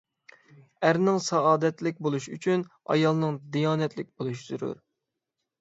ئەرنىڭ سائادەتلىك بولۇشى ئۈچۈن ئايالنىڭ دىيانەتلىك بولۇشى زۆرۈر.